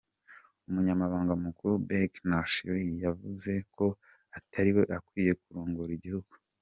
Umunyamabanga mukuru Bheki Ntshalintshali yavuze ko "atariwe akwiye" kurongora igihugu.